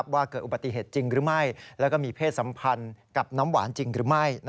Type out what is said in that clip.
ว่าเกิดอุบัติเหตุจริงหรือไม่แล้วก็มีเพศสัมพันธ์กับน้ำหวานจริงหรือไม่